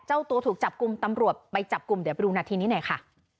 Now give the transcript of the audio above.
เจ้าตัวถูกจับกลุ่มตำรวจไปจับกลุ่มเดี๋ยวไปดูนาทีนี้หน่อยค่ะ